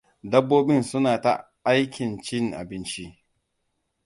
Dabbobin suna ta aikin cin abinci.